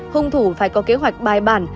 hùng thủ phải có kế hoạch bài bản